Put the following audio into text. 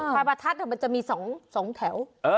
ปลายประทัดมันจะมี๒แถว